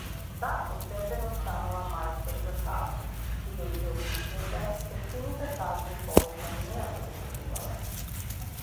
Таа постепено станала мајстор за казни, бидејќи обичните, евтините казни повеќе на ја задоволувале.